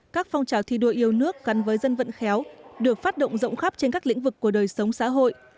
các phong trào thi đua yêu nước gắn với dân vận khéo được phát động rộng khắp trên các lĩnh vực của đời sống xã hội